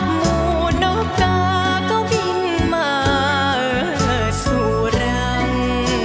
หมวนโอกาสก็บินมาสวรรค์